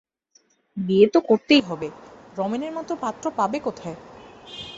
বিয়ে তো করতেই হবে, রমেনের মতো পাত্র পাবে কোথায়।